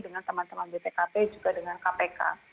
dengan teman teman bpkp juga dengan kpk